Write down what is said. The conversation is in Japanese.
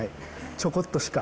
ちょこっとしか。